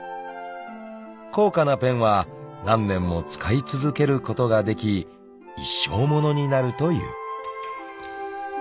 ［高価なペンは何年も使い続けることができ一生ものになるという］